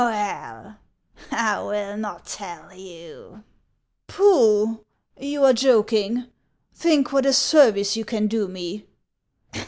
" Well, I will not tell you." " Pooh ! you are joking ! Think what a service you can do me."